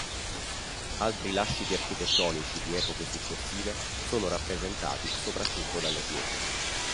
Altri lasciti architettonici di epoche successive sono rappresentati soprattutto dalle chiese.